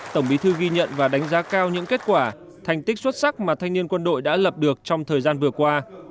tổng bí thư ghi nhận và đánh giá cao những kết quả thành tích xuất sắc mà thanh niên quân đội đã lập được trong thời gian vừa qua